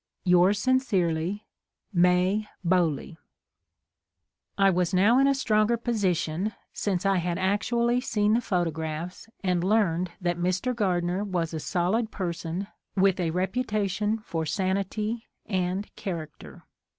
yours sincerely. May Bowley. I was now in a stronger position, since I had actually seen the photographs and 22 HOW THE MATTER AROSE learned that Mr. Gardner was a solid person with a reputation for sanity and character.